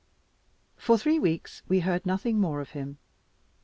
For three weeks we heard nothing more of him.